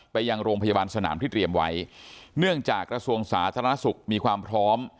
ไปยังโรงพยาบาลสนามที่เตรียมไว้เนื่องจากกระทรวงสาธารณสุขมีความพร้อม